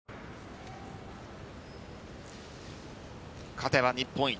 勝てば日本一。